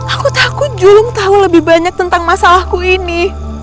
aku takut julung tahu lebih banyak tentang masalahku ini